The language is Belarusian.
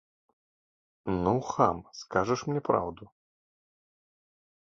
Ну, хам, скажаш мне праўду?